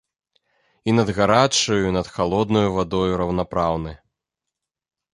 І над гарачаю і над халоднаю вадою раўнапраўны.